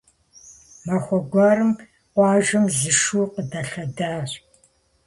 Махуэ гуэрым къуажэм зы шу къыдэлъэдащ.